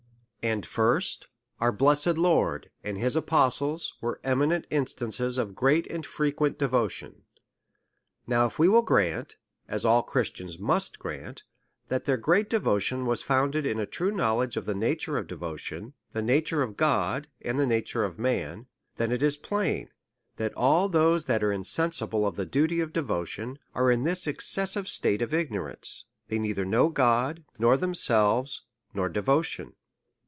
And, First, Our blessed Lord, and his apostles, were eminent instances of great and frequent devotion. Now if you will grant (as all Christians must grant) that their great devotion was founded in a true know ledge of the nature of devotion, the nature of God, and the nature of man ; then it is plain, that all those that are insensible of the duty of devotion, are in this excessive state of ignorance ; they neither know God, northemselves, nor devotion.